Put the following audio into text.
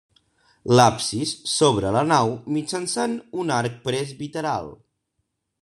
L'absis s'obre a la nau mitjançant un arc presbiteral.